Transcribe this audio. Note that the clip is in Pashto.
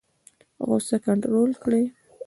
غوسه کنټرول کړئ